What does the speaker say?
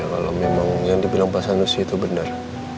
ya kalau memang yang dibilang pasal nusy itu benar